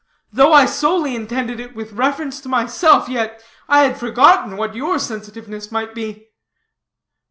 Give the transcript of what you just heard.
Though I solely intended it with reference to myself, yet I had forgotten what your sensitiveness might be.